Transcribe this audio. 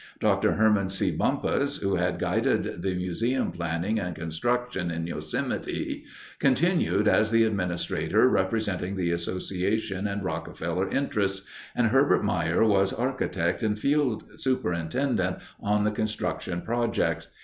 Dr. Herman C. Bumpus, who had guided the museum planning and construction in Yosemite, continued as the administrator representing the association and Rockefeller interests, and Herbert Maier was architect and field superintendent on the construction projects.